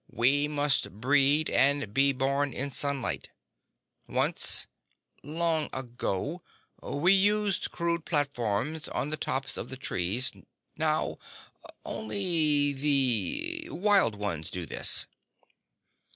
We must breed and be born in sunlight. Once—long ago—we used crude platforms on the tops of the trees. Now ... only the ... wild ones do this."